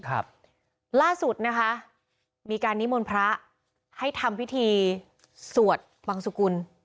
ครับล่าสุดนะคะมีการนิมนต์พระให้ทำพิธีสวดวังสุกุล